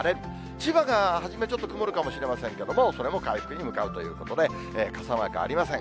千葉が初めちょっと曇るかもしれませんけれども、それも回復に向かうということで、傘マークありません。